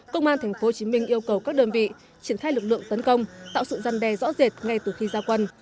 công an tp hcm yêu cầu các đơn vị triển khai lực lượng tấn công tạo sự răn đe rõ rệt ngay từ khi ra quân